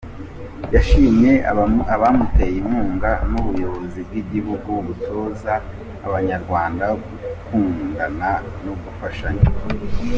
Yashimye abamuteye inkunga, n’ubuyobozi bw’igihugu butoza abanyarwanda gukundana no gufashanya.